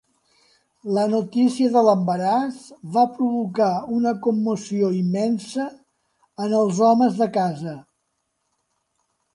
La notícia de l'embaràs va provocar una commoció immensa en els homes de casa.